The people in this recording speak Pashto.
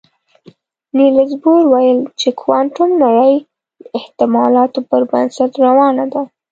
نيلز بور ویل چې کوانتم نړۍ د احتمالاتو پر بنسټ روانه ده.